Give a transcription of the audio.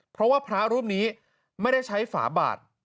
เพราะว่าพระรูปนี้ไม่ได้ใช้ฝาบาด